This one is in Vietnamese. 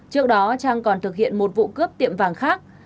trước đó trang còn thực hiện một vụ cướp tiệm vàng khác